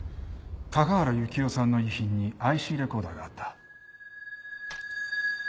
高原雪世さんの遺品にＩＣレコーダーがあった。